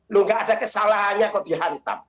lu nggak ada kesalahannya kalau dihantam